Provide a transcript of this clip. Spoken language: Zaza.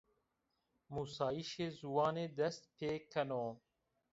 Musayîşê ziwanî dest pêkeno